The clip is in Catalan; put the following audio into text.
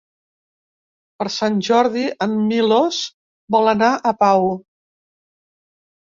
Per Sant Jordi en Milos vol anar a Pau.